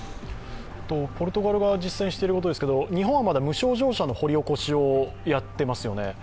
ポルトガルが実践していることですが、日本はまだ無症状者の掘り起こしをやっていますよね。